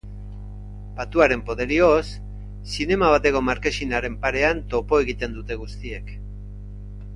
Patuaren poderioz, zinema bateko markesinaren parean topo egiten dute guztiek.